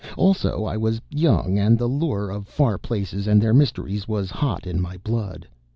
Also, I was young and the lure of far places and their mysteries was hot in my blood.